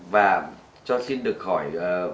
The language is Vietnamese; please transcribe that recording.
và cho xin được hỏi